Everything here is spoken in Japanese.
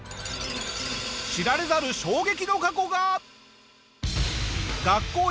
知られざる衝撃の過去が！